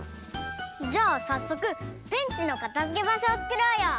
じゃあさっそくペンチのかたづけばしょをつくろうよ！